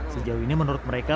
sejauh ini menurut mereka